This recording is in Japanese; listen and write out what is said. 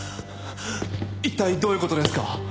一体どういう事ですか？